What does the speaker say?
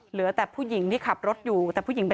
เหลือแต่ผู้หญิงที่ขับเรือ